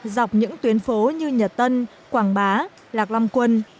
dọc những tuyến phố như nhật tân quảng bá lạc long quân